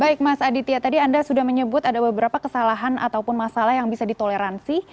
baik mas aditya tadi anda sudah menyebut ada beberapa kesalahan ataupun masalah yang bisa ditoleransi